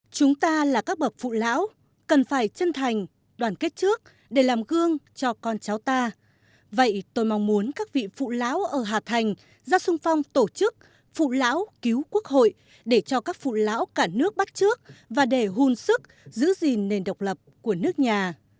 chúng ta là các bậc phụ lão cần phải chân thành đoàn kết trước để làm gương cho con cháu ta vậy tôi mong muốn các vị phụ lão ở hà thành ra sung phong tổ chức phụ lão cứu quốc hội để cho các phụ lão cả nước bắt trước và để hun sức giữ gìn nền độc lập của nước nhà